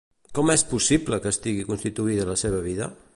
Com és possible que estigui constituïda la seva vida?